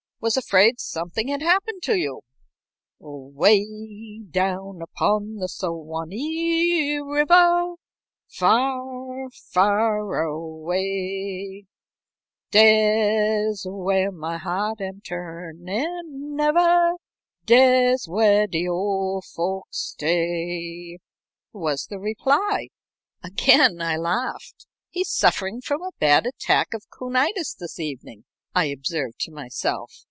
Was afraid something had happened to you." "'Way down upon the Suwanee River, Far, far away, Dere's whar my heart am turnin' ever, Dere's whar de ole folks stay," was the reply. Again I laughed. "He's suffering from a bad attack of coonitis this evening," I observed to myself.